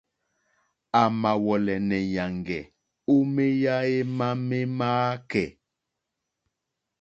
A mà wɔ̀lɛ̀nɛ̀ nyàŋgɛ̀ o meya ema me ma akɛ̀ɛ̀.